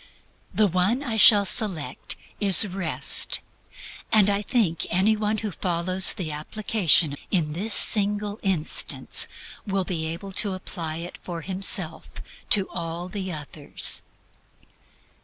The one I shall select is Rest. And I think any one who follows the application in this single instance will be able to apply it for himself to all the others.